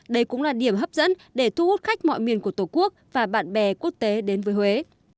đây cũng là điểm hấp dẫn để thu hút khách mọi miền của tổ quốc và bạn bè quốc tế đến với huế